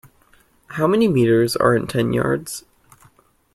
How many meters are in ten yards?